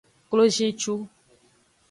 Klozincu.